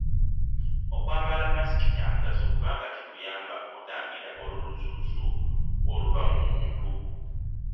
Okwambala masiki kya mugaso kubanga kikuyamba okutangira olulusulusu oluva mu muntu.